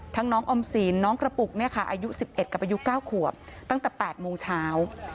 ทั้งน้องอมศีลน้องกระปุกเนี่ยค่ะอายุ๑๑กับอายุ๙ขวบตั้งแต่๘โมงเช้า